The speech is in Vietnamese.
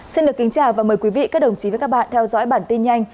xin được kính chào và mời quý vị các đồng chí và các bạn theo dõi bản tin nhanh